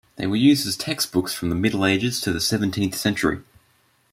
They were used as textbooks from the Middle Ages to the seventeenth century.